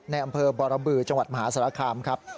ในอำเภอบรบือจังหวัดมหาสารคามครับ